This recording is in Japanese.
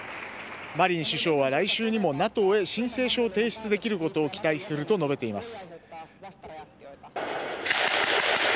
マリン首相は来週にもＮＡＴＯへ申請書を提出できることを期待すると述べています。